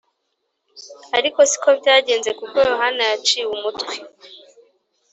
ariko si ko byagenze, kuko yohana yaciwe umutwe